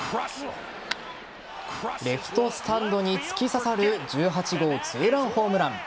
レフトスタンドに突き刺さる１８号２ランホームラン。